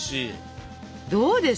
どうですか？